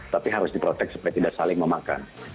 tapi harus diprotek supaya tidak saling memakan